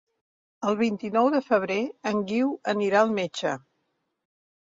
El vint-i-nou de febrer en Guiu anirà al metge.